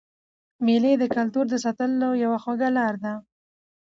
مېلې د کلتور د ساتلو یوه خوږه لار ده.